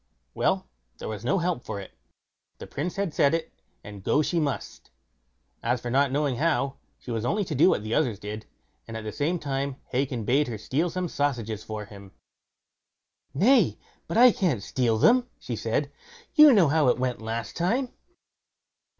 Well, there was no help for it; the Prince had said it, and go she must. As for not knowing how, she was only to do what the others did, and at the same time Hacon bade her steal some sausages for him. "Nay, but I can't steal them", she said; "you know how it went last time."